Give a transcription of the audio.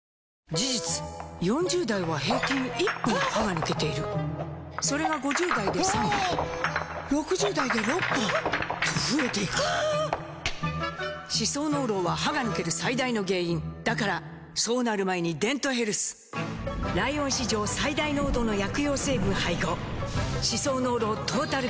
事実４０代は平均１本歯が抜けているそれが５０代で３本６０代で６本と増えていく歯槽膿漏は歯が抜ける最大の原因だからそうなる前に「デントヘルス」ライオン史上最大濃度の薬用成分配合歯槽膿漏トータルケア！